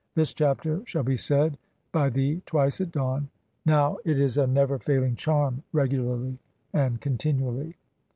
[THIS CHAPTER] SHALL BE SAID BY I HliE TWICE AT DAWN— NOW IT ISA NEVER FAILING CHARM— REGULARLY AND CONTINUALLY.